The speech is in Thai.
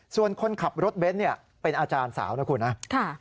ส่วนคนขับรถเบสเป็นอาจารย์สาวนะครับ